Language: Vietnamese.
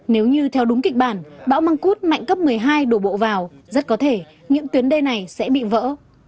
nếu như theo đúng kịch bản bão măng cút mạnh cấp một mươi hai đổ bộ vào rất có thể những tuyến đê này sẽ bị vỡ